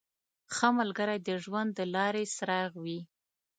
• ښه ملګری د ژوند د لارې څراغ وي.